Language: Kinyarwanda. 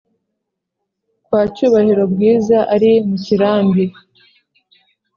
kwa cyubahiro bwiza ari mukirambi